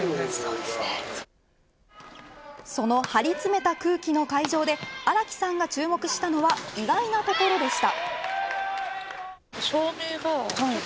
その張りつめた空気の会場で荒木さんが注目したのは意外なところでした。